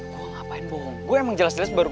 gue ngapain bohong gue emang jelas jelas baru